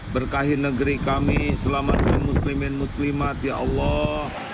berkahi negeri kami selamatkan muslimin muslimat ya allah